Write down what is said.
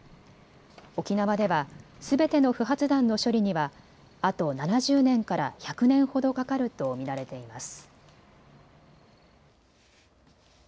沖縄ではすべての不発弾の処理にはあと７０年から１００年ほどかかると見られています。